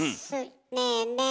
ねえねえ